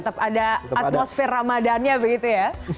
tetap ada atmosfer ramadannya begitu ya